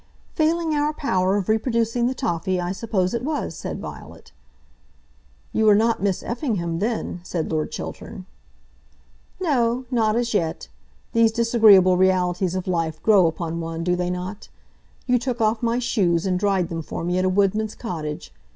"Failing our power of reproducing the toffy, I suppose it was," said Violet. "You were not Miss Effingham then," said Lord Chiltern. "No, not as yet. These disagreeable realities of life grow upon one; do they not? You took off my shoes and dried them for me at a woodman's cottage.